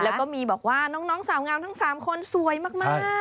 แล้วก็มีบอกว่าน้องสาวงามทั้ง๓คนสวยมาก